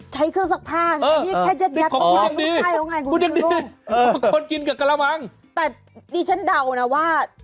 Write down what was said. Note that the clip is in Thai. แต่นี่ฉันเดี่ยวนะว่า